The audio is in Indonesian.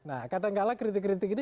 nah kadang kadang lah kritik kritik ini